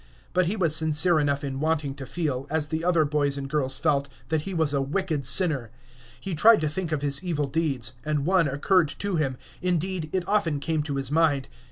But he was sincere enough in wanting to feel, as the other boys and girls felt, that he was a wicked sinner. He tried to think of his evil deeds; and one occurred to him; indeed, it often came to his mind.